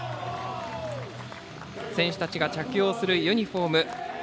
選手たちが着用するユニフォーム。